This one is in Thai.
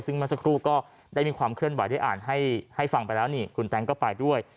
ซึ่งเมื่อสักครู่ก็ได้มีความเคลื่อนไหวได้อ่านให้ฟังไปแล้วนี่คุณแต๊งก็ไปด้วย